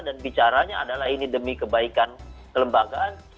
dan bicaranya adalah ini demi kebaikan lembagaan